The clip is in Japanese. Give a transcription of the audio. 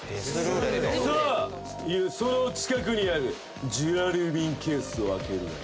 さあその近くにあるジュラルミンケースを開けるんだ。